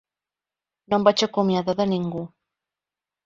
No em vaig acomiadar de ningú.